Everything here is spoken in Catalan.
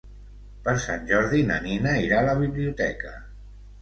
Per Sant Jordi na Nina irà a la biblioteca.